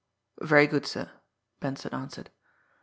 "Very good, sir," Benson answered.